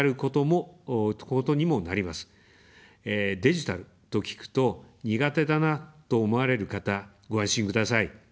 デジタルと聞くと、苦手だなと思われる方、ご安心ください。